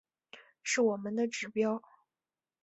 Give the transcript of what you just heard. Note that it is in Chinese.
是我们的指标